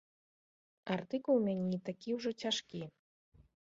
Артыкул у мяне не такі ўжо цяжкі.